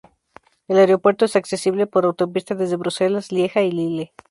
El aeropuerto es accesible por autopista desde Bruselas, Lieja y Lille.